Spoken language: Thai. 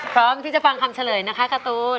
พร้อมที่จะฟังคำเฉลยนะคะการ์ตูน